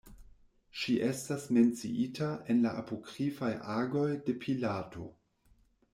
Ŝi estas menciita en la apokrifaj Agoj de Pilato.